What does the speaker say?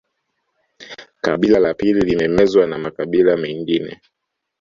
Kabila la pili limemezwa na makabila mengine